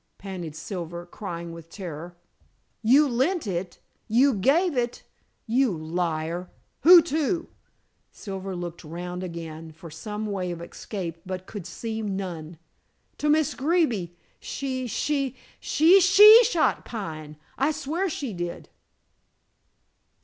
panted Silver, crying with terror. "You lent it you gave it you liar! Who to?" Silver looked round again for some way of escape, but could see none. "To Miss Greeby. She she she she shot Pine. I swear she did."